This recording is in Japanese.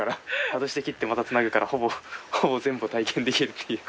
外して切ってまたつなぐからほぼ全部体験できるっていう。